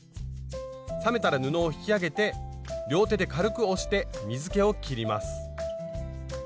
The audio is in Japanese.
冷めたら布を引き上げて両手で軽く押して水けをきります。